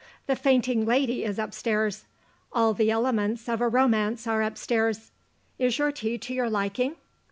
The fainting lady is upstairs. All the elements of a romance are upstairs. Is your tea to your liking?"